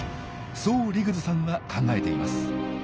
そうリグズさんは考えています。